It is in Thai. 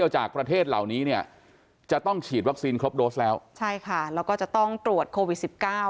จะต้องฉีดวัคซีนครบโดสแล้วใช่ค่ะแล้วก็จะต้องตรวจโควิดสิบเก้า